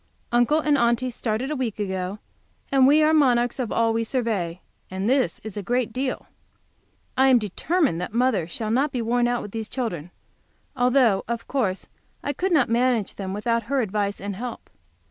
Uncle and Aunty started a week ago, and we are monarchs of all we survey, and this is a great deal. I am determined that mother shall not be worn out with these children, although of course I could not manage them without her advice and help.